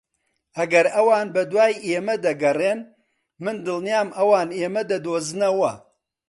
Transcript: ئەگەر ئەوان بەدوای ئێمە دەگەڕێن، من دڵنیام ئەوان ئێمە دەدۆزنەوە.